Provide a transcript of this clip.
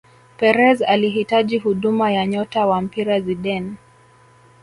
Perez alihitaji huduma ya nyota wa mpira Zidane